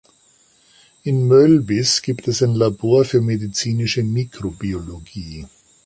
In Mölbis gibt es ein Labor für medizinische Mikrobiologie.